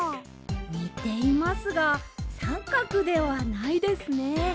にていますがサンカクではないですね。